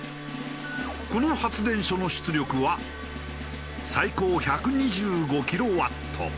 この発電所の出力は最高１２５キロワット。